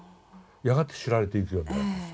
やがて知られていくようになります。